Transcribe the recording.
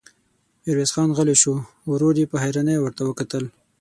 ميرويس خان غلی شو، ورور يې په حيرانۍ ورته کتل.